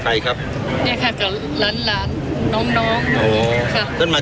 ใครครับเนี้ยค่ะกับหลานหลานน้องน้องโอ้โหครับท่านมา